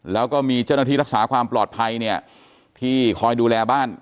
แล้วก็มีเจ้าหน้าที่รักษาความปลอดภัยเนี่ยที่คอยดูแลบ้าน